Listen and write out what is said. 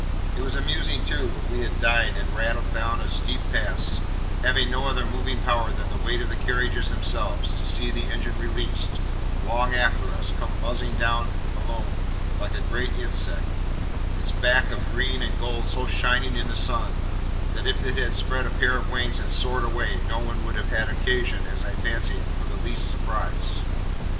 It was amusing, too, when we had dined, and rattled down a steep pass, having no other moving power than the weight of the carriages themselves, to see the engine released, long after us, come buzzing down alone, like a great insect, its back of green and gold so shining in the sun, that if it had spread a pair of wings and soared away, no one would have had occasion, as I fancied, for the least surprise.